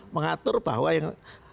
mengatur bahwa yang